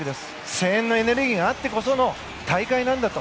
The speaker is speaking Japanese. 声援のエネルギーがあってこその大会なんだと。